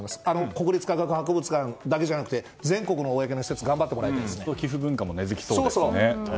国立科学博物館だけじゃなくて全国の公の施設寄付文化も根付きそうですね。